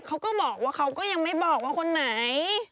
เขาก็บอกว่าเขาก็ยังไม่บอกว่าคนไหน